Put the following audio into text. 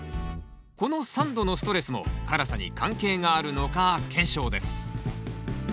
この酸度のストレスも辛さに関係があるのか検証です